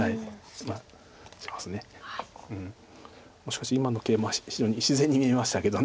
しかし今のケイマ非常に自然に見えましたけど。